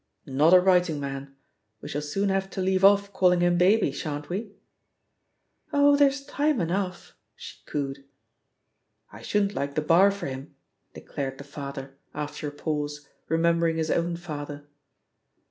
"Not a writing man. .•• We shall soon have to leave off calling him *Baby,' shan't we?'* 'Oh, there's time enough I" she cooed. 1 shouldn't like the Bar for him," declared the father, after a pause, remembering his own father.